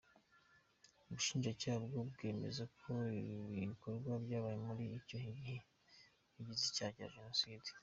Ubushinjacyaha bwo bwemeza ko ibikorwa byabaye muri icyo gihe bigize icyaha cya jenoside.